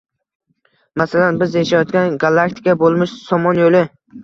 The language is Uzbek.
Masalan biz yashayotgan gallaktika boʻlmish Somon Yoʻli.